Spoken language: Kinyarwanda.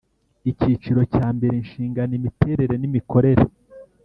Icyiciro cya mbere Inshingano imiterere n imikorere